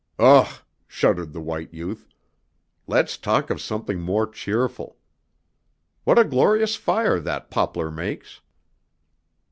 "Ugh!" shuddered the white youth. "Let's talk of something more cheerful. What a glorious fire that poplar makes!"